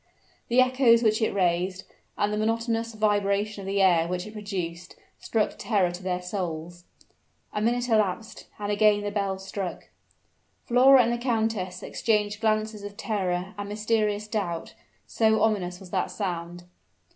The echoes which it raised, and the monotonous vibration of the air which it produced, struck terror to their souls. A minute elapsed, and again the bell struck. Flora and the countess exchanged glances of terror and mysterious doubt, so ominous was that sound.